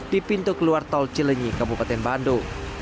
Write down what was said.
di pintu keluar tol cilenyi kabupaten bandung